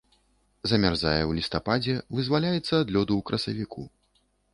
Замярзае ў лістападзе, вызваляецца да лёду ў красавіку.